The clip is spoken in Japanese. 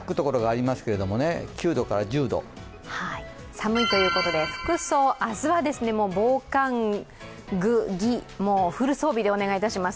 寒いということで服装、明日は防寒具、防寒着、フル装備でお願いします。